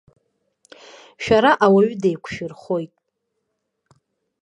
Шәара ауаҩы деиқәшәырхоит.